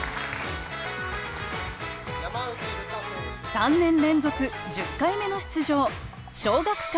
３年連続１０回目の出場尚学館